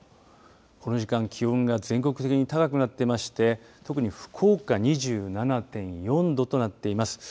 この時間、気温が全国的に高くなってまして特に福岡２７．４度となっています。